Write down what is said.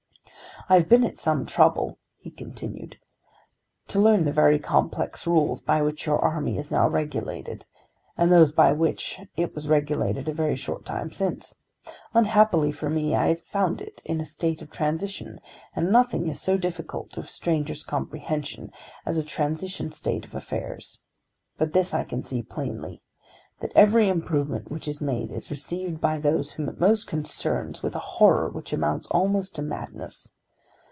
"I have been at some trouble," he continued, "to learn the very complex rules by which your army is now regulated, and those by which it was regulated a very short time since. Unhappily for me I have found it in a state of transition, and nothing is so difficult to a stranger's comprehension as a transition state of affairs. But this I can see plainly; that every improvement which is made is received by those whom it most concerns with a horror which amounts almost to madness.